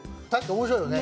面白いよね。